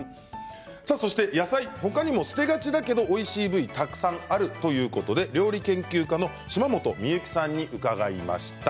そして野菜、他にも捨てがちだけどおいしい部位たくさんあるということで料理研究家の島本美由紀さんに伺いました。